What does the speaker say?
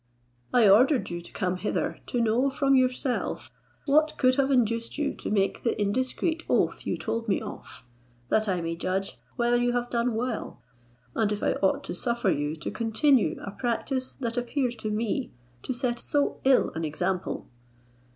I ordered you to come hither, to know from yourself what could have induced you to make the indiscreet oath you told me of, that I may judge whether you have done well, and if I ought to suffer you to continue a practice that appears to me to set so ill an example.